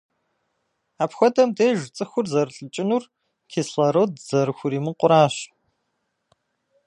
Апхуэдэм деж цӏыхур зэрылӏыкӏынур - кислород зэрыхуримыкъуращ.